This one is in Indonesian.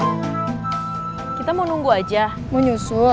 hai masih saya pikir pikir ini ada ada lah yang mentah nadi saya mau mencobain contro black